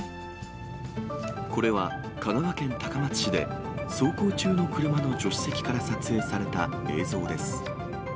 これは、香川県高松市で、走行中の車の助手席から撮影された映像です。